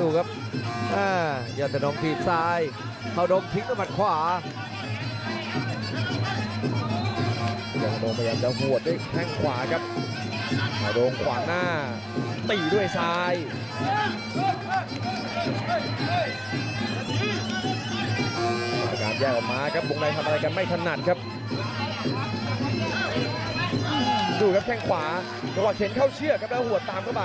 ดูครับแค่งขวาจังหวะเข็นเข้าเชือกครับแล้วหัวตามเข้าไป